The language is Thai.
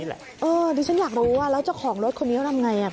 อือดีฉันอยากรู้แล้วมีช่องค่องรถคนนี้ทำไง